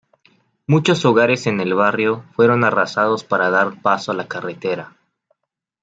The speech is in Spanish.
Muchos hogares en el barrio fueron arrasados para dar paso a la carretera.